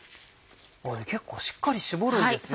結構しっかり絞るんですね。